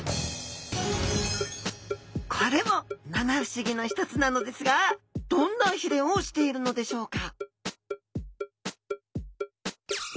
これも七不思議の一つなのですがどんなひれをしているのでしょうか？